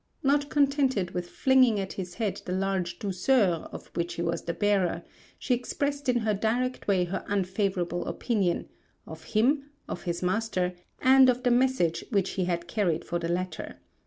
Not contented with flinging at his head the large douceur of which he was the bearer, she expressed in her direct way her unfavourable opinion, of him, of his master, and of the message which he had carried for the latter.